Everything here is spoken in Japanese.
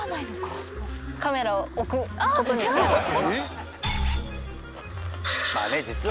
カメラを置くことに使います。